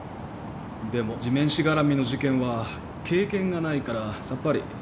でも地面師がらみの事件は経験がないからさっぱり。